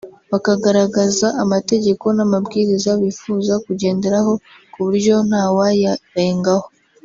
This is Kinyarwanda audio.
bakagaragaza amategeko n’amabwiriza bifuza kugenderaho ku buryo ntawayarengaho